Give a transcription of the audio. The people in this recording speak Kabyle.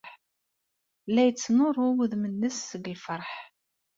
La yettnuṛu wudem-nnes seg lfeṛḥ.